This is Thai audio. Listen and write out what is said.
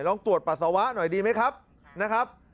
ต้องตรวจปัสสาวะหน่อยดีไหมครับนะครับ